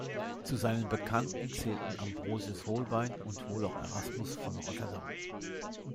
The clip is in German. Zu seinen Bekannten zählten Ambrosius Holbein und wohl auch Erasmus von Rotterdam.